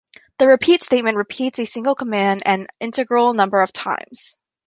The repeat statement repeats a single command an integral number of times.